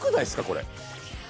これ。